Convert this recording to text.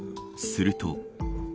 すると。